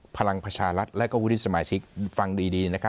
พลังประชารัฐและก็วุฒิสมาชิกฟังดี